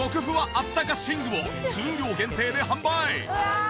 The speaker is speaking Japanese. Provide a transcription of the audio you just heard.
あったか寝具を数量限定で販売！